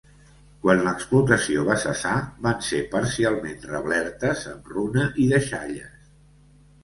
Quan l'explotació va cessar van ser parcialment reblertes amb runa i deixalles.